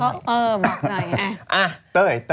เต้าย